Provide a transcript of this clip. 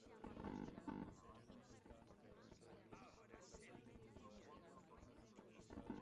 Posiblemente, Fray Francisco Ortiz y Diego Ortiz sean familiares suyos.